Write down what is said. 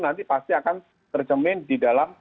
nanti pasti akan tercemin di dalam